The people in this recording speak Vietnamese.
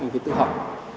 vì tự học